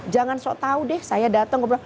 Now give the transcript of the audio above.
jangan sok tau deh saya datang